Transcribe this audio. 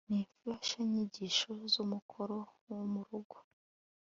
n' imfashanyigisho z'umukoro wo mu rugo